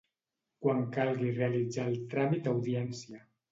Quan calgui realitzar el tràmit d'audiència.